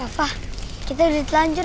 rafa kita udah telanjur